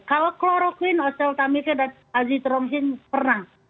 kalau chloroquine osteotamivir dan azithromycin pernah